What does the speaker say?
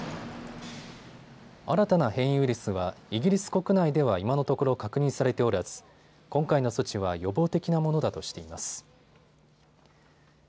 新たな変異ウイルスはイギリス国内では今のところ確認されておらず今回の措置は予防的なものだとしています。